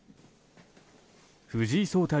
藤井聡太